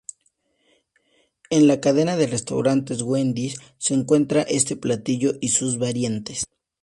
En la cadena de restaurantes Wendy's se encuentra este platillo y sus variantes.